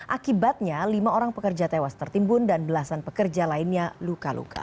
akibatnya lima orang pekerja tewas tertimbun dan belasan pekerja lainnya luka luka